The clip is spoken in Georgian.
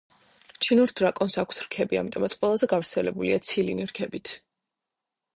ჩინურ დრაკონს აქვს რქები, ამიტომაც ყველაზე გავრცელებულია ცილინი რქებით.